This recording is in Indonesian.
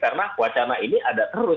karena wacana ini ada terus